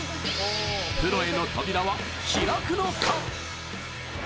プロへの扉は開くのか？